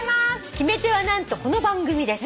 「決め手は何とこの番組です。